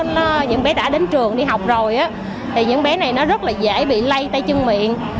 những bé đã đến trường đi học rồi thì những bé này nó rất là dễ bị lây tay chân miệng